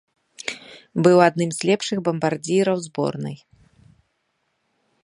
Быў адным з лепшых бамбардзіраў зборнай.